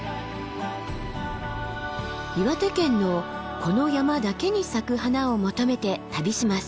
岩手県のこの山だけに咲く花を求めて旅します。